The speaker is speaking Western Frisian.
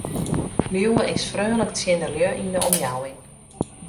Liuwe is freonlik tsjin de lju yn de omjouwing.